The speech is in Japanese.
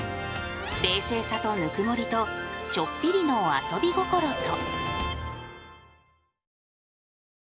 冷静さと温もりとちょっぴりの遊び心と。